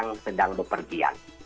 orang yang sedang berpergian